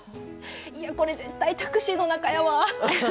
いやこれ絶対タクシーの中やわ。